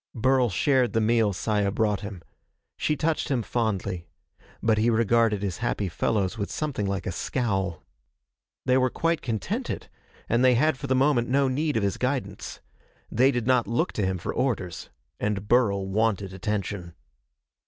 Burl shared the meal Saya brought him. She touched him fondly. But he regarded his happy fellows with something like a scowl. They were quite contented, and they had for the moment no need of his guidance. They did not look to him for orders. And Burl wanted attention.